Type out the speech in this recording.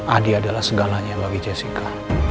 adi adalah segalanya bagi jessica